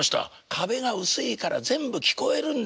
「壁が薄いから全部聞こえるんだ。